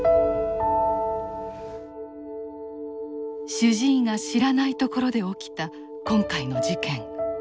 主治医が知らないところで起きた今回の事件。